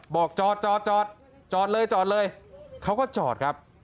บอกจอดจอดจอดเลยจอดเลยเขาก็จอดครับ